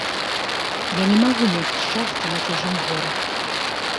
Я не магу мець шчасця на чужым горы.